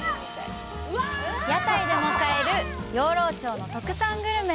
屋台でも買える養老町の特産グルメ。